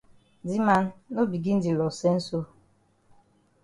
Di man, no begin di loss sense so.